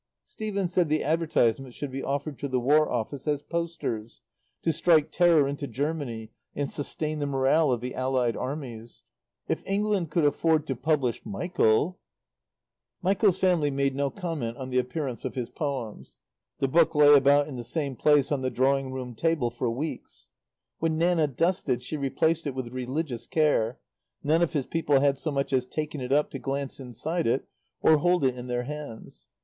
Stephen said the advertisements should be offered to the War Office as posters, to strike terror into Germany and sustain the morale of the Allied Armies. "If England could afford to publish Michael " Michael's family made no comment on the appearance of his poems. The book lay about in the same place on the drawing room table for weeks. When Nanna dusted she replaced it with religious care; none of his people had so much as taken it up to glance inside it, or hold it in their hands.